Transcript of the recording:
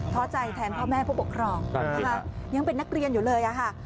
ท้อใจแทนพ่อแม่ผู้ปกครองนะคะยังเป็นนักเรียนอยู่เลยอะค่ะ